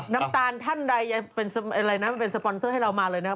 น้ำตาลท่านใดเป็นสปอนเสอร์ให้เรามาเลยนะฮะ